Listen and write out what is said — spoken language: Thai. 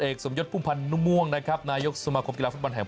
แอกสมยศภูมิภัณฑ์นม้วงนะครับนายกสมาคมกีฬาฟุตบอลแห่ง